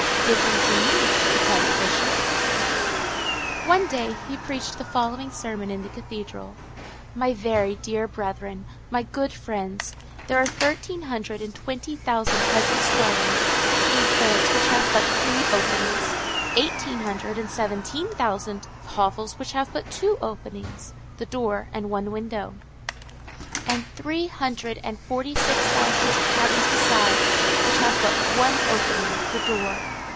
"Give them to me,"_ replied the Bishop. One day he preached the following sermon in the cathedral:— "My very dear brethren, my good friends, there are thirteen hundred and twenty thousand peasants' dwellings in France which have but three openings; eighteen hundred and seventeen thousand hovels which have but two openings, the door and one window; and three hundred and forty six thousand cabins besides which have but one opening, the door.